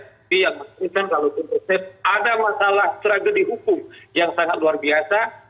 tapi yang pasti kan kalau itu reses ada masalah tragedi hukum yang sangat luar biasa